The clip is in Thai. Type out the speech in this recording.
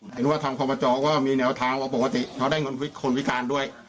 เห็นว่าทำความประจอกก็มีแนวทางปกติเขาได้เงินคนวิการด้วย